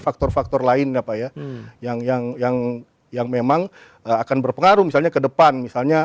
faktor faktor lain ya pak ya yang yang memang akan berpengaruh misalnya ke depan misalnya